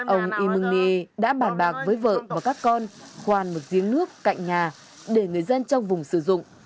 ông y mưng nê đã bàn bạc với vợ và các con khoan một giếng nước cạnh nhà để người dân trong vùng sử dụng